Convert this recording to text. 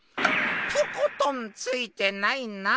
とことんついてないな。